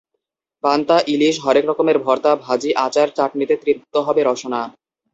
পান্তা, ইলিশ, হরেক রকমের ভর্তা, ভাজি, আচার, চাটনিতে তৃপ্ত হবে রসনা।